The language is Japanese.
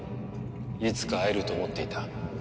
いつか会えると思っていた。